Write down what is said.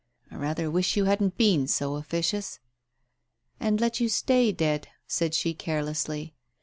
I rather wish you hadn't been so officious." "And let you stay dead," said she carelessly.